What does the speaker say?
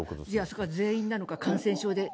そこは全員なのか、感染症で。